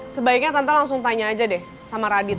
sebaiknya tante langsung tanya aja deh sama radit